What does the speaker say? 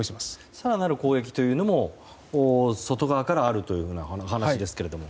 更なる攻撃というのも外側からあるというようなお話ですけれども。